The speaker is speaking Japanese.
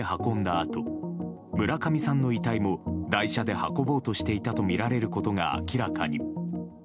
あと村上さんの遺体も台車で運ぼうとしていたとみられることが明らかに。